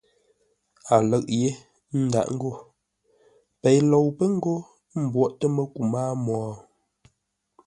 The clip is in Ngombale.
A lə̂ʼ yé, ə́ ndáʼ ngô: Pei lou pə́ ńgó m mbwóʼtə́ məku mâa mwo.